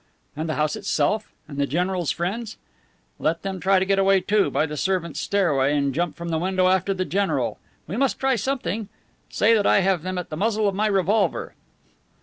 "And the house itself? And the general's friends?" "Let them try to get away, too, by the servants' stairway and jump from the window after the general. We must try something. Say that I have them at the muzzle of my revolver."